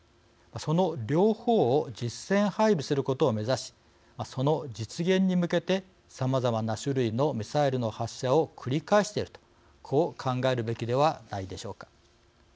その両方を実戦配備することを目指しその実現に向けてさまざまな種類のミサイルの発射を繰り返しているとこう考えるべきではないでしょうか。